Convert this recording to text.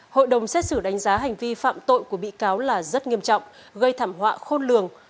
hội đồng xét xử đánh giá hành vi phạm tội của bị cáo là rất nghiêm trọng gây thảm họa khôn lường